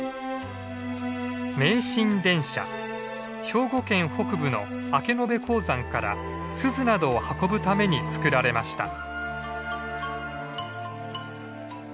兵庫県北部の明延鉱山からスズなどを運ぶために造られました。